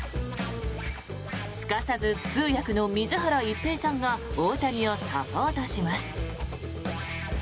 すかさず、通訳の水原一平さんが大谷をサポートします。